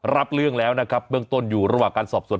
รับเรื่องแล้วนะครับเบื้องต้นอยู่ระหว่างการสอบสวน